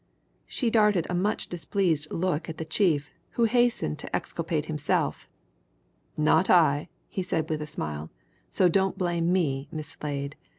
She darted a much displeased look at the chief, who hastened to exculpate himself. "Not I!" he said with a smile. "So don't blame me, Miss Slade.